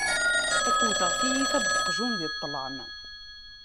Ad k-wwteɣ tyita n uqjun di ṭṭlam!